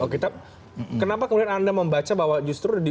oke tapi kenapa kemudian anda membaca bahwa justru